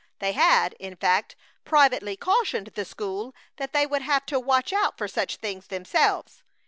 They had, in fact, privately cautioned the school that they would have to watch out for such things themselves.